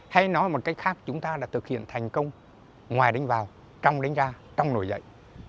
hay nói một cách khác chúng ta đã thực hiện thành công ngoài đánh vào trong đánh ra trong nổi dậy